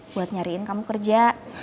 buat nyariin kamu kerja